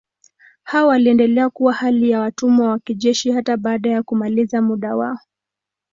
Hao waliendelea kuwa hali ya watumwa wa kijeshi hata baada ya kumaliza muda wao.